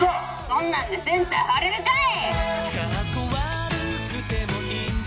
「そんなんでセンター張れるかい！」